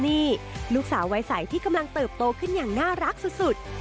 น้องดิสนี่ลูกสาววัยสัยที่กำลังเติบโตขึ้นอย่างน่ารักสุดสุด